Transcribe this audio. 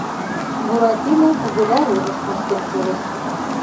Буратино куголя рожыш нушкын пурыш.